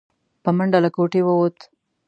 په منډه له کوټې ووت.